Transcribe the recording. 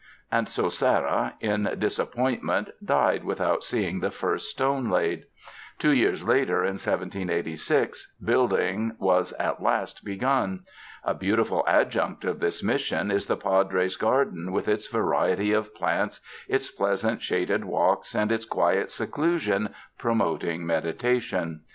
And so Serra, in disappoint 157 UNDER THE SKY IN CALIFORNIA ment, died without seeing the first stone laid. Two years later, in 1786, building was at last begun. A beautiful adjunct of this Mission is the Padres' gar den with its variety of plants, its pleasant shaded walks, and its quiet seclusion promoting meditation.